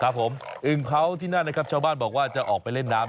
ครับผมอึงเขาที่นั่นนะครับชาวบ้านบอกว่าจะออกไปเล่นน้ำ